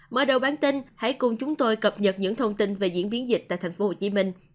mở đầu bản tin hãy cùng chúng tôi cập nhật những thông tin về diễn biến dịch tại tp hcm